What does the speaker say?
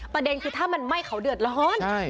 ประเด็นคือถ้ามันไหม้เขาเดือดร้อน